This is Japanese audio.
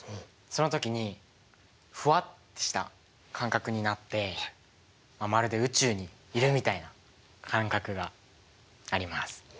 その時にフワッとした感覚になってまるで宇宙にいるみたいな感覚があります。